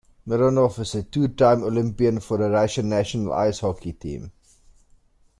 Mironov is a two-time Olympian for the Russian national ice hockey team.